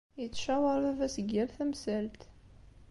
Yettcawaṛ baba-s deg yal tamsalt.